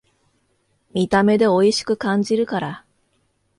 見た目でおいしく感じるから